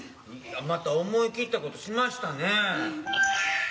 また思い切ったことしましたね。